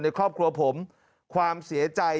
ในครอบครัวผมความเสียใจ